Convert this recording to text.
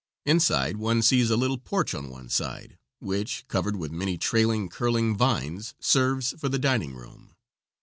Inside one sees a little porch on one side, which, covered with many trailing, curling vines, serves for the dining room.